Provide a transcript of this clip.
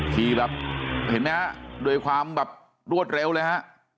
ขี่แบบเห็นไหมฮะด้วยความแบบรวดเร็วเลยฮะ